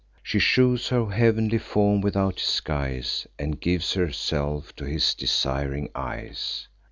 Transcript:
She shews her heav'nly form without disguise, And gives herself to his desiring eyes.